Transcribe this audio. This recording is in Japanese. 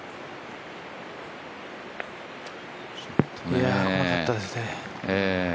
いや、怖かったですね。